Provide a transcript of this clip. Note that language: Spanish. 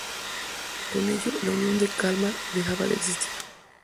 Con ello, la Unión de Kalmar dejaba de existir.